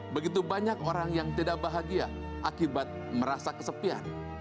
begitu banyak orang yang tidak bahagia akibat merasa kesepian